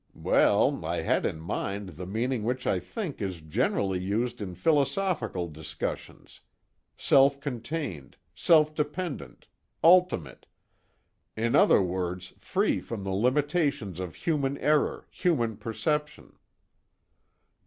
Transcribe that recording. "Well, I had in mind the meaning which I think is generally used in philosophical discussions: self contained, self dependent, ultimate, in other words free from the limitations of human error, human perception."